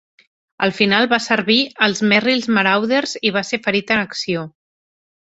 Al final va servir als Merrill's Marauders i va ser ferit en acció.